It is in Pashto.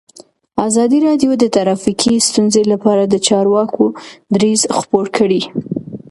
ازادي راډیو د ټرافیکي ستونزې لپاره د چارواکو دریځ خپور کړی.